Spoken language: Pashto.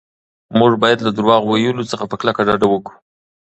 موږ باید له درواغ ویلو څخه په کلکه ډډه وکړو.